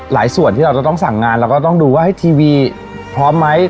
ส่วนที่เราจะต้องสั่งงานเราก็ต้องดูว่าให้ทีวีพร้อมไหม